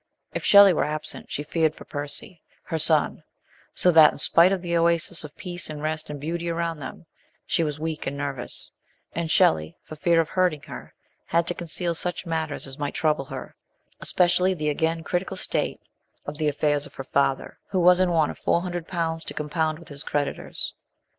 If Shelley were absent, she feared for Percy, her son, so that, in spite of the oasis of peace and rest and beauty around them, she was weak and nervous ; and Shelley, for fear of hurting her, had to conceal such matters as might trouble her, especially the again critical state of the affairs of her father, who was in want of four hundred pounds to compound with his creditors.